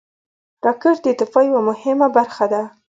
راکټ د دفاع یوه مهمه برخه ده